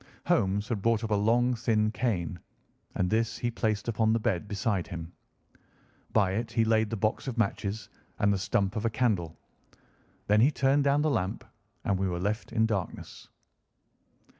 Holmes had brought up a long thin cane, and this he placed upon the bed beside him. By it he laid the box of matches and the stump of a candle. Then he turned down the lamp, and we were left in darkness.